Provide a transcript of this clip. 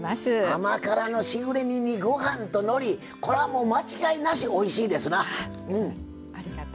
甘辛なしぐれ煮にご飯と、のりこれは間違いなしおいしいですな。